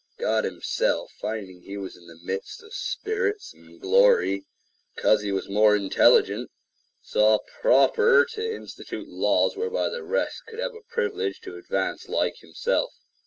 God himself, finding he was in the midst of spirits and glory, because he was more intelligent, saw proper to institute laws whereby the rest could have a privilege to advance like himself.